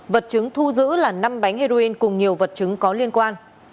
vật chứng thu giữ là năm bánh heroin cùng nhiều vật chứng có liên quan